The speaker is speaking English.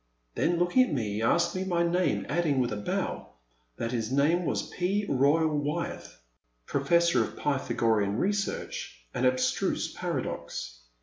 *' Then looking at me he asked me my name, adding, with a bow, that his name was P. Royal Wyeth, Professor of Pythagorean Research and Abstruse Paradox.